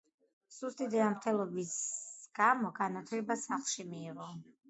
სუსტი ჯანმრთელობის გამო განათლება სახლში მიიღო.